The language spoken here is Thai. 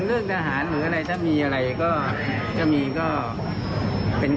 อืม